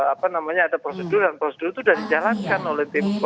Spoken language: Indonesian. apa namanya ada prosedur dan prosedur itu sudah dijalankan oleh tim